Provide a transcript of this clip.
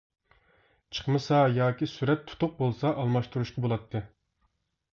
چىقمىسا، ياكى سۆرەت تۇتۇق بولسا، ئالماشتۇرۇشقا بۇلاتتى.